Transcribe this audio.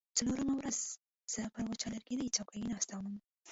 څلورمه ورځ زه پر وچه لرګینۍ څوکۍ ناسته وم.